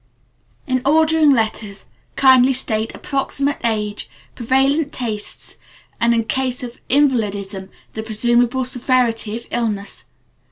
In ordering letters kindly state approximate age, prevalent tastes, and in case of invalidism, the presumable severity of illness.